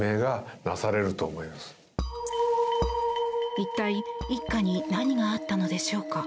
一体一家に何があったのでしょうか。